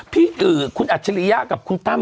พี่อือคุณอัชริยะกับคุณอัชริยะ